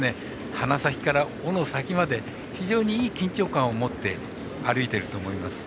鼻先から尾の先まで非常にいい緊張感を持って歩いてると思います。